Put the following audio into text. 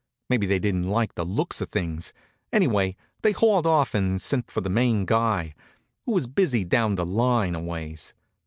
Maybe they didn't like the looks of things. Anyway, they hauled off and sent for the main guy, who was busy down the line a ways.